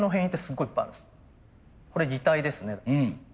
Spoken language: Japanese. これ擬態ですね。